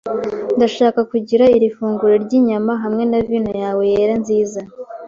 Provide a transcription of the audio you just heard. Ndashaka kugira iri funguro ryinyama hamwe na vino yawe yera nziza.